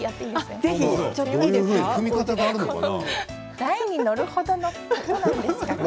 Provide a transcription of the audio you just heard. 台に乗るほどのことなんですかね。